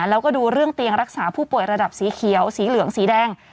แล้วก็ดูเรื่องเตียงรักษาผู้ป่วยระดับสีเขียวสีเหลืองสีแดง